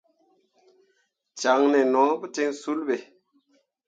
Caŋne no ka ten sul be.